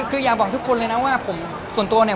คืออยากบอกทุกคนเลยนะว่าผมส่วนตัวเนี่ย